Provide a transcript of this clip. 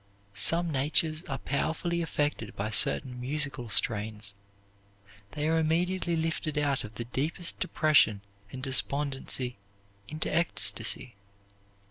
Some natures are powerfully affected by certain musical strains; they are immediately lifted out of the deepest depression and despondency into ecstasy.